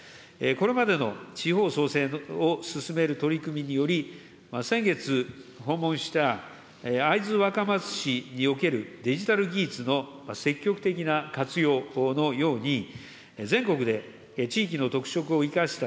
これまでの地方創生を進める取り組みにより、先月訪問した会津若松市におけるデジタル技術の積極的な活用のように、